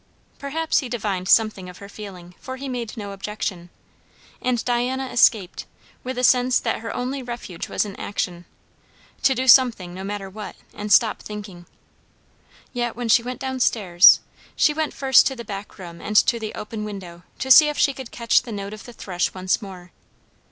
Perhaps he divined something of her feeling, for he made no objection, and Diana escaped; with a sense that her only refuge was in action. To do something, no matter what, and stop thinking. Yet, when she went down stairs, she went first to the back room and to the open window, to see if she could catch the note of the thrush once more.